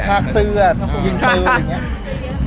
ชากเสื้อต้องยิงปืนอย่างนี้